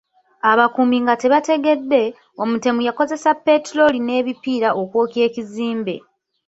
Abakuumi nga tebategedde, omutemu yakozesa petulooli n'ebipiira okwokya ekizimbe.